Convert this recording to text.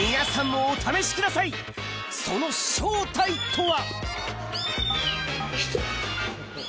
その正体とは？